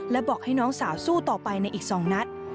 และบอกให้น้องสาวสู้ต่อไปในอีก๒นัด